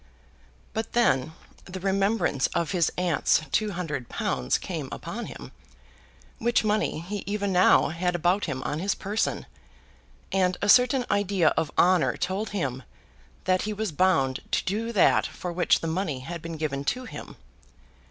But then the remembrance of his aunt's two hundred pounds came upon him, which money he even now had about him on his person, and a certain idea of honour told him that he was bound to do that for which the money had been given to him.